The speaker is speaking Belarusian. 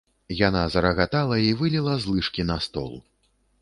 Яна зарагатала і выліла з лыжкі на стол.